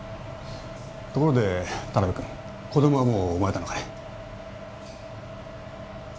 ところで田辺君子どもはもう生まれたのかい？